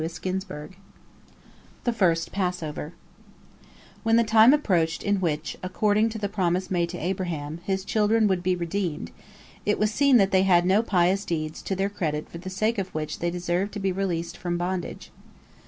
THE FIRST PASSOVER When the time approached in which, according to the promise made to Abraham, his children would be redeemed, it was seen that they had no pious deeds to their credit for the sake of which they deserved release from bondage.